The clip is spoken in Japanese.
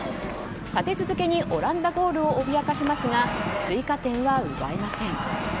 立て続けにオランダゴールを脅かしますが追加点は奪えません。